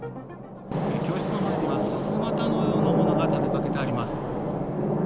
教室の前にはさすまたのようなものが立てかけてあります。